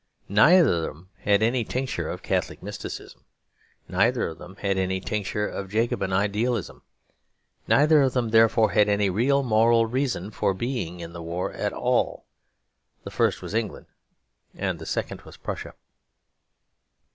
Neither of them had any tincture of Catholic mysticism. Neither of them had any tincture of Jacobin idealism. Neither of them, therefore, had any real moral reason for being in the war at all. The first was England, and the second was Prussia.